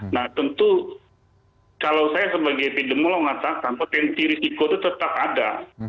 nah tentu kalau saya sebagai epidemiolog mengatakan potensi risiko itu tetap ada